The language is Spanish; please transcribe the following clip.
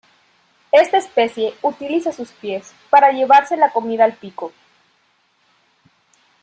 Esta especie utiliza sus pies para llevarse la comida al pico.